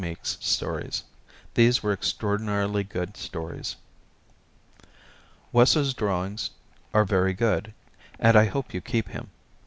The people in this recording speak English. Meek's stories. These were extraordinarily good stories. Wesso's drawings are very good, and I hope you keep him.